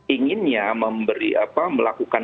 ingin ya memberi apa melakukan